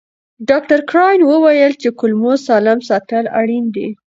ډاکټر کراین وویل چې کولمو سالم ساتل اړین دي.